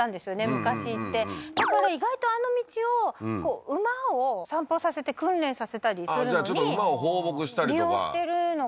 昔行ってだから意外とあの道を馬を散歩させて訓練させたりするのにちょっと馬を放牧したりとか利用してるのかな